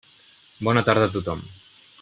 Bona tarda a tothom.